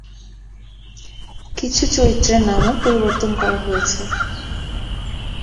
কিছু চরিত্রের নামও পরিবর্তন করা হয়েছে।